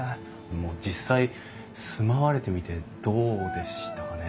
実際住まわれてみてどうでしたかね？